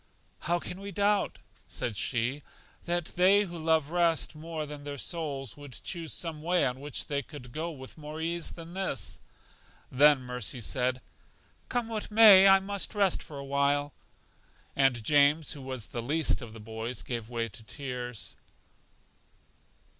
How can we doubt, said she, that they who love rest more than their souls would choose some way on which they could go with more ease than this? Then Mercy said, Come what may, I must rest for a while. And James, who was the least of the boys, gave way to tears.